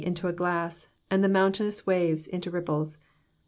into a glass, and the mountainous waves into ripples.